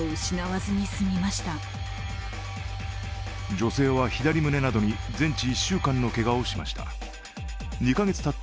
女性は左胸などに全治１週間のけがをしました。